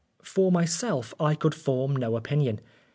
For myself, I could form no opinion.